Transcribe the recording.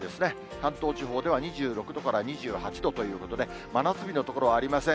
関東地方では２６度から２８度ということで、真夏日の所はありません。